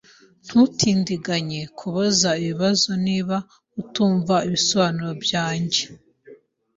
Ntutindiganye kubaza ibibazo niba utumva ibisobanuro byanjye.